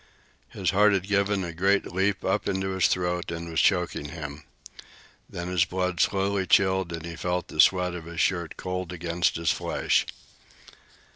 His heart had given a great jump up into his throat and was choking him. Then his blood slowly chilled and he felt the sweat of his shirt cold against his flesh.